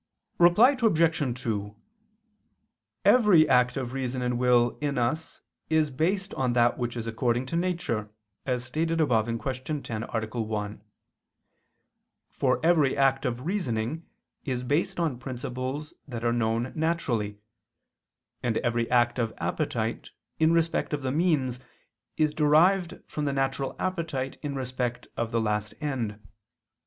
Reply Obj. 2: Every act of reason and will in us is based on that which is according to nature, as stated above (Q. 10, A. 1): for every act of reasoning is based on principles that are known naturally, and every act of appetite in respect of the means is derived from the natural appetite in respect of the last end.